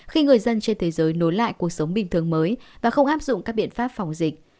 khi người dân trên thế giới nối lại cuộc sống bình thường mới và không áp dụng các biện pháp phòng dịch